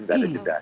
tidak ada jeda